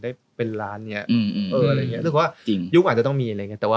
แต่ว่าเราก็ถึงตายราตรัฟที่